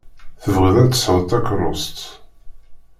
Tebɣiḍ ad tesɛuḍ takeṛṛust.